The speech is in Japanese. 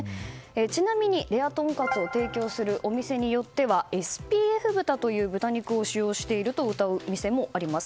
ちなみにレアとんかつを提供するお店によってはＳＰＦ豚という豚肉を使用しているとうたうお店もあります。